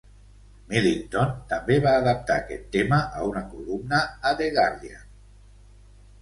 Millington també va adaptar aquest tema a una columna a "The Guardian".